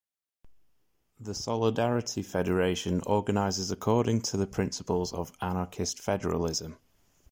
The Solidarity Federation organises according to the principles of anarchist federalism.